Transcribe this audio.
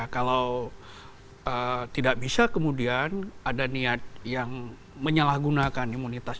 kalau tidak bisa kemudian ada niat yang menyalahgunakan imunitas